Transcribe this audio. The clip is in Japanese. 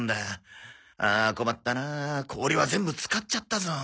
あ困ったな氷は全部使っちゃったぞ。